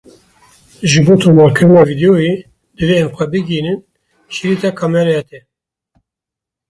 Ji bo tomarkirina vîdeoyê divê em xwe bigihînin şirîta kameraya te.